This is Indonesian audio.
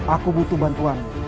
aku butuh bantuan